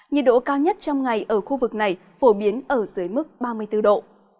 nhiệt độ cao nhất trong ngày ở khu vực này phổ biến ở dưới mức ba mươi bốn độ